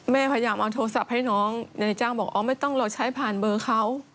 พยายามเอาโทรศัพท์ให้น้องนายจ้างบอกอ๋อไม่ต้องเราใช้ผ่านเบอร์เขา